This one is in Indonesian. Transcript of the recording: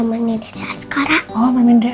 oh mamin deh sekarang ya